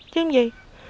chứ không gì